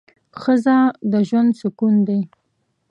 ښځه د ژوند سکون دی